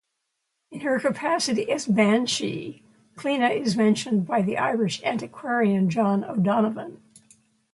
In her capacity as banshee, Cleena is mentioned by the Irish antiquarian John O'Donovan.